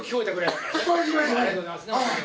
ありがとうございます。